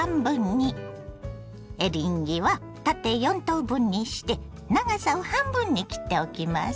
エリンギは縦４等分にして長さを半分に切っておきます。